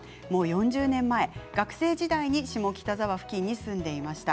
４０年前、学生時代に下北沢付近に住んでいました。